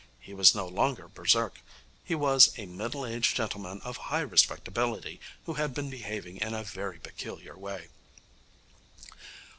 He was no longer berserk. He was a middle aged gentleman of high respectability who had been behaving in a very peculiar way.